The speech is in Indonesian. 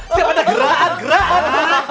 siap ada gerakan gerakan